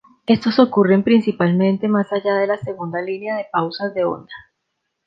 Estos ocurren principalmente más allá de la segunda línea de pausas de onda.